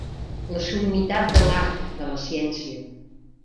La summitat de l'art, de la ciència.